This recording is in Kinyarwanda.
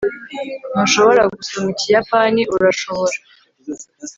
ntushobora gusoma ikiyapani, urashobora